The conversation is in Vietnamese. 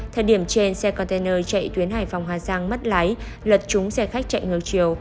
thời điểm trên xe container chạy tuyến hải phòng hà giang mất lái lật trúng xe khách chạy ngược chiều